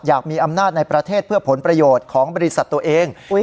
อยากมีอำนาจในประเทศเพื่อผลประโยชน์ของบริษัทตัวเอง